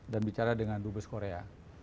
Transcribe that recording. dan bicara dengan dupes korea